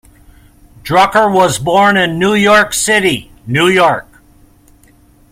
Drucker was born in New York City, New York.